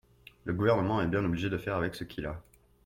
Le Gouvernement est bien obligé de faire avec ce qu’il a.